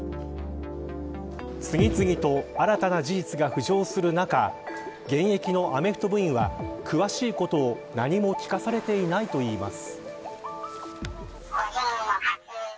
次々と新たな事実が浮上する中現役のアメフト部員は詳しいことは何も聞かされていないといいます。